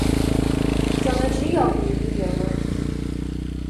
怎么只有你一个人